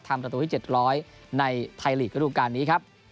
ทำตัวตัวให้เจ็ดร้อยในไทยลีกก็ดูกันนี้ครับ